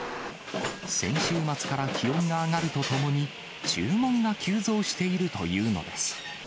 先週末から気温が上がるとともに、注文が急増しているというのです。